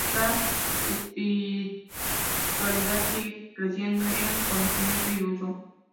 Esta espiritualidad sigue creciendo en conocimiento y uso.